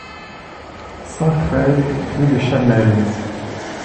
cent treize rue des Chanelles